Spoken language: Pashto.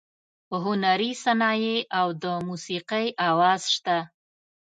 هنري صنایع او د موسیقۍ اواز شته.